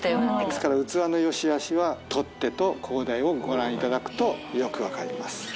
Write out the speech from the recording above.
ですから器の良しあしは取っ手と高台をご覧いただくとよく分かります。